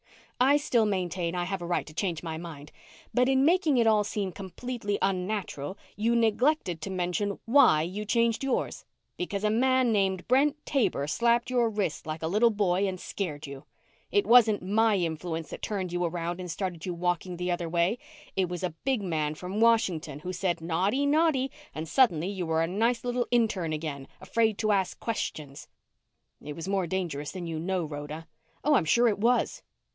I still maintain I have a right to change my mind, but in making it all seem completely unnatural you neglected to mention why you changed yours. Because a man named Brent Taber slapped your wrist like a little boy and scared you. It wasn't my influence that turned you around and started you walking the other way. It was a big man from Washington who said naughty, naughty and suddenly you were a nice little intern again, afraid to ask questions." "It was more dangerous than you know, Rhoda." "Oh, I'm sure it was.